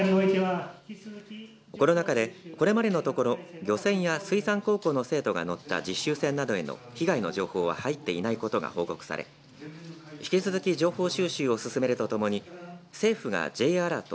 この中でこれまでのところ漁船や水産高校の生徒が乗った実習船などへの被害の情報は入っていないことが報告され引き続き情報収集を進めるとともに政府がＪアラート